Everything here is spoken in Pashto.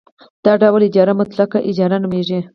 دا ډول اجاره مطلقه اجاره نومېږي